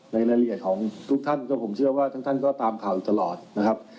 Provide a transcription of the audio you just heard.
รายละเอียดของทุกท่านก็ผมเชื่อว่าทุกท่านก็ตามข่าวอยู่ตลอดนะครับ